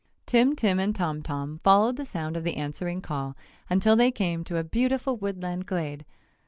Tim Tim and Tom Tom followed the sound of the answering call until they came to a beautiful woodland glade.